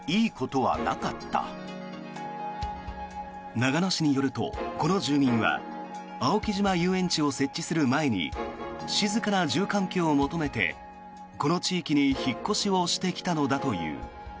長野市によると、この住民は青木島遊園地を設置する前に静かな住環境を求めてこの地域に引っ越しをしてきたのだという。